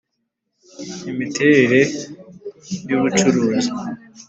Imiterere y ubucuruzi